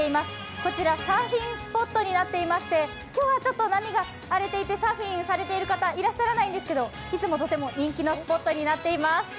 こちらサーフィンスポットになっていまして、今日は波が荒れていてサーフィンされている方、いらっしゃらないですけどいつも、とても人気のスポットになっています。